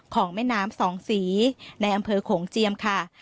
แม่น้ำสองสีในอำเภอโขงเจียมค่ะ